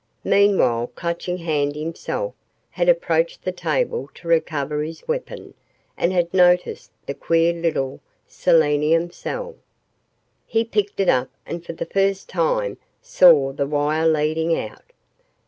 Meanwhile Clutching Hand himself had approached the table to recover his weapon and had noticed the queer little selenium cell. He picked it up and for the first time saw the wire leading out.